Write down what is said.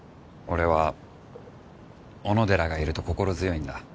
俺は小野寺がいると心強いんだ